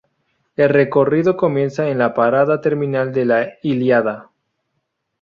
El recorrido comienza en la parada terminal de la Ilíada.